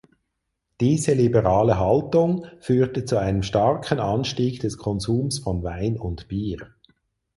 Diese liberale Haltung führte zu einem starken Anstieg des Konsums von Wein und Bier.